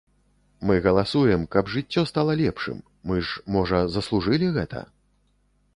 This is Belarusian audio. Мы галасуем, каб жыццё стала лепшым, мы ж, можа, заслужылі гэта?